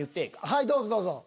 はいどうぞどうぞ。